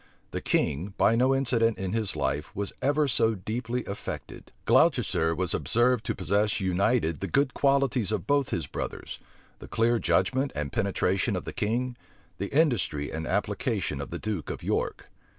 The king, by no incident in his life, was ever so deeply affected. Gloucester was observed to possess united the good qualities of both his brothers: the clear judgment and penetration of the king; the industry and application of the duke of York.